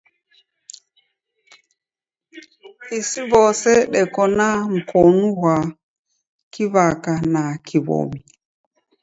Isi w'ose deko na mkonu ghwa kiw'aka na kiw'omi.